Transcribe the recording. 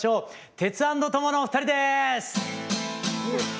テツａｎｄトモのお二人です。